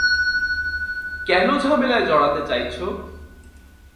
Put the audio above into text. কেনো ঝামেলায় জড়াতে চাইছো?